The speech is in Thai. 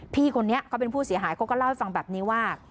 พี่คนนี้เขาเป็นผู้เสียหายเขาก็เล่าให้ฟังแบบนี้ว่า